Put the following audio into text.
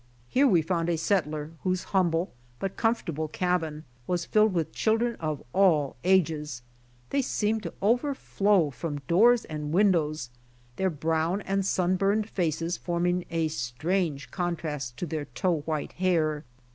Here we found a settler whose humble, but comfort able cabin was filled with children of all ages; they MARCHING ON FOOT 17 seemed to overflow from doors and windows; their brown and sun burned faces forming a strange con trast to their tow white hair.